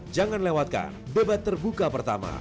jangan lewatkan debat terbuka pertama